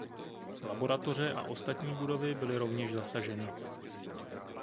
Laboratoře a ostatní budovy byly rovněž zasaženy.